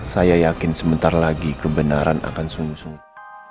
saya yakin sebentar lagi kebenaran akan sungguh sun